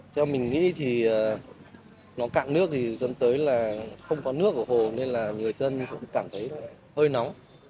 theo mình nghĩ thì nó cạn nước thì dẫn tới là không có nước ở hồ nên là người dân cũng cảm thấy là hơi nóng